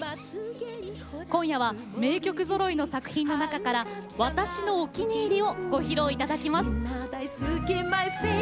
今夜は名曲ぞろいの作品の中から「私のお気に入り」をご披露いただきます。